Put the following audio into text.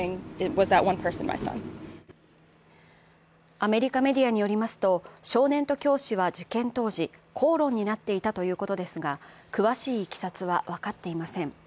アメリカメディアによりますと少年と教師は事件当時口論になっていたということですが、詳しいいきさつは分かっていません。